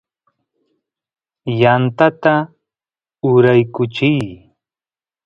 yantata uraykuchiy